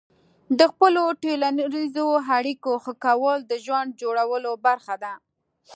د خپلو ټولنیزو اړیکو ښه کول د ژوند جوړولو برخه ده.